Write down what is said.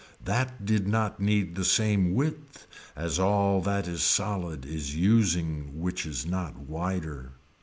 That did not need the same width as all that is solid is using which is not wider.